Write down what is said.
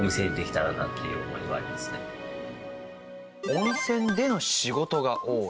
温泉での仕事が多い。